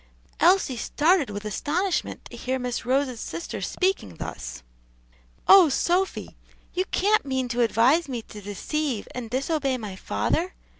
Elsie started with astonishment to hear Miss Rose's sister speaking thus. "Oh, Sophy! you can't mean to advise me to deceive and disobey my father?"